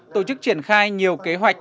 tổ chức triển khai nhiều kế hoạch